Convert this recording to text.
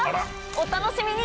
お楽しみに！